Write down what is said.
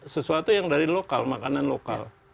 sesuatu yang dari lokal makanan lokal